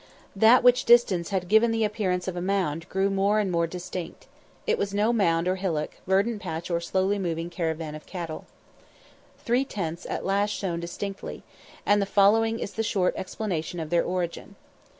That which distance had given the appearance of a mound grew more and more distinct. It was no mound nor hillock, verdant patch nor slowly moving caravan of camel. Three tents showed at last distinctly, and the following is the short explanation of their origin.